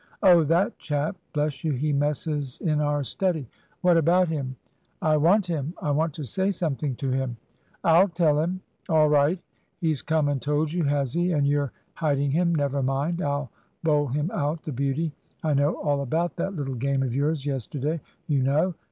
"Oh, that chap. Bless you, he messes in our study. What about him?" "I want him. I want to say something to him." "I'll tell him." "All right. He's come and told you, has he? and you're hiding him? Never mind; I'll bowl him out, the beauty. I know all about that little game of yours, yesterday, you know!"